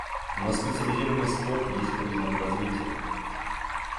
Но специализованный спорт есть признак развития.